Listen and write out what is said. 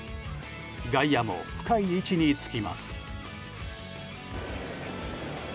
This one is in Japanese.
外野も深い位置につきます。